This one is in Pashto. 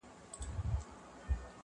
بد بویي وه که سهار وو که ماښام وو -